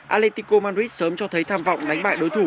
alexico madrid sớm cho thấy tham vọng đánh bại đối thủ